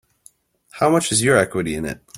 How much is your equity in it?